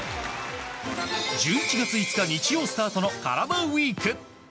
１１月５日、日曜スタートのカラダＷＥＥＫ。